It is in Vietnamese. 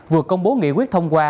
vừa công bố nghị quyết thông qua